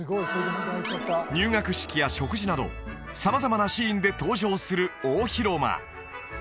入学式や食事など様々なシーンで登場する大広間